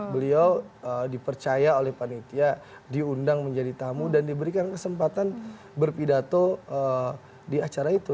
beliau dipercaya oleh panitia diundang menjadi tamu dan diberikan kesempatan berpidato di acara itu